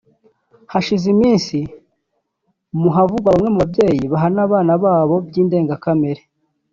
Hashize iminsi mu havugwa bamwe mu babyeyi bahana abana babo by’indengakamere